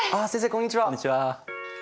こんにちは。